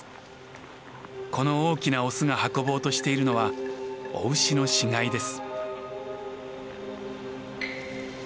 この大きなオスが運ぼうとしているのは雄牛の死骸です。